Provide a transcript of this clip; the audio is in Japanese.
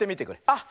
あっ！